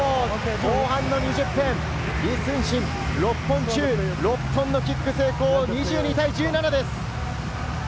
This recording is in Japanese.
後半の２０分、李承信、６本中６本のキック成功、２２対１７です。